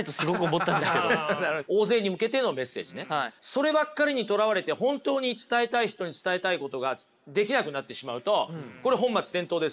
そればっかりにとらわれて本当に伝えたい人に伝えたいことができなくなってしまうとこれ本末転倒ですよね。